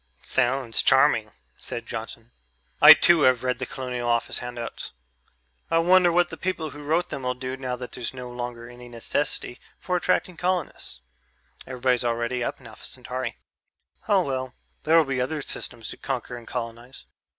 "Sounds charming," said Johnson. "I too have read the Colonial Office handouts.... I wonder what the people who wrote them'll do now that there's no longer any necessity for attracting colonists everybody's already up in Alpha Centauri. Oh, well; there'll be other systems to conquer and colonize."